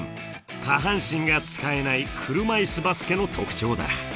下半身が使えない車いすバスケの特徴だ。